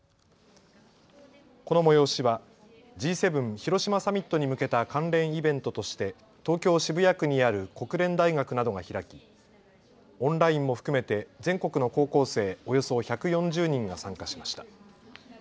この催しはＧ７広島サミットに向けた関連イベントとして東京渋谷区にある国連大学などが開きオンラインも含めて全国の高校生およそ１４０人が参加しました。